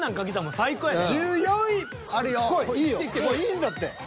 もういいんだって。